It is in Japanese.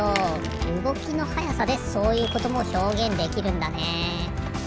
うごきのはやさでそういうこともひょうげんできるんだね。